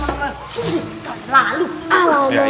tidak ada lu disini